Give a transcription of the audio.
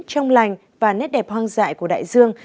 trong lành và nét đẹp hoang dại của đại dương